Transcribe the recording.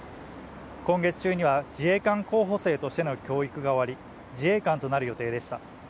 今月中には自衛官候補生としての教育が終わり、自衛官となる予定でした。